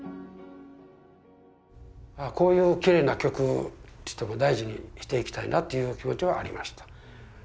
あこういうきれいな曲とても大事にしていきたいなという気持ちはありました。